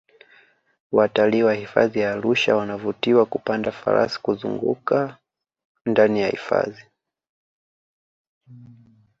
watalii wa hifadhi ya arusha wanavutiwa kupanda farasi kuzungaka ndani ya hifadhi